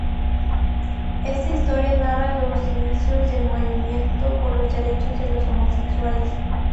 Esta historia narra los inicios del movimiento por los derechos de los homosexuales.